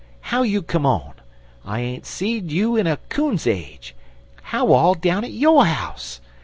how you come on? I ain't seed you in a coon's age. How all down at yo' house?